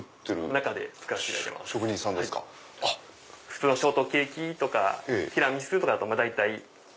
普通のショートケーキとかティラミスとかだと大体。